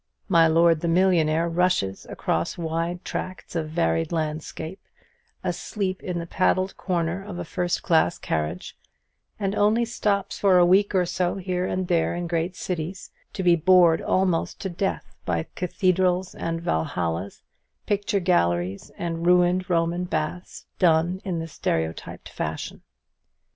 My lord the millionaire rushes across wide tracts of varied landscape asleep in the padded corner of a first class carriage, and only stops for a week or so here and there in great cities, to be bored almost to death by cathedrals and valhallas, picture galleries and ruined Roman baths, "done" in the stereotyped fashion.